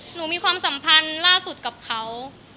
มีความสัมพันธ์ล่าสุดกับเขา